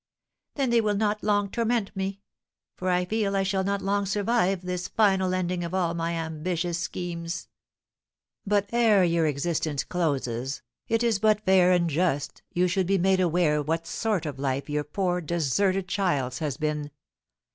"Then they will not long torment me; for I feel I shall not long survive this final ending of all my ambitious schemes." "But ere your existence closes, it is but fair and just you should be made aware what sort of life your poor deserted child's has been.